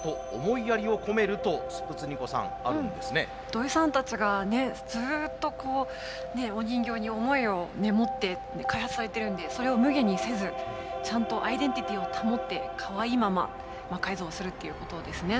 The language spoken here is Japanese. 土井さんたちがずっとお人形に思いを持って開発されているんでそれをむげにせずちゃんとアイデンティティーを保ってかわいいまま魔改造するっていうことですね。